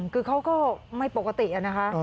คือเขาก็ไม่ปกตินะคะ